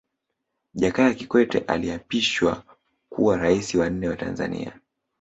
Jakaya Kikwete aliapishwa kuwa Rais wa nne wa Tanzania